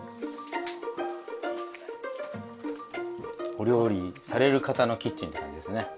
お料理される方のキッチンって感じですね。